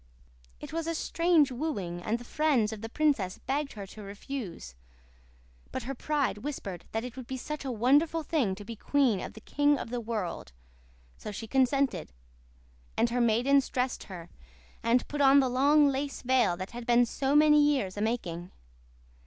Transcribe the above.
"It was a strange wooing and the friends of the princess begged her to refuse. But her pride whispered that it would be such a wonderful thing to be the queen of the king of the world; so she consented; and her maidens dressed her, and put on the long lace veil that had been so many years a making.